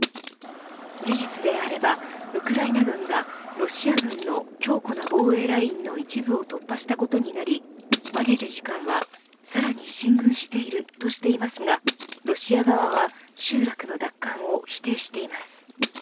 事実であれば、ウクライナ軍がロシア軍の強固な防衛ラインの一部を突破したことになりマリャル次官は、さらに進軍しているとしていますがロシア側は集落の奪還を否定しています。